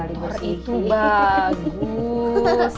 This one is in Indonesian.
ah kotor itu bagus